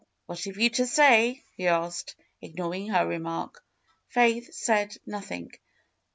What have you to say?" he asked, ignoring her remark. Faith said nothing.